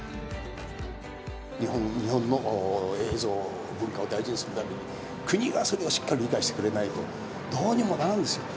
日本の映像文化を大事にするために、国がそれをしっかり理解してくれないと、どうにもならんですよ。